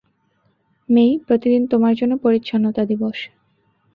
মেই, প্রতিদিনই তোমার জন্য পরিচ্ছন্নতা দিবস।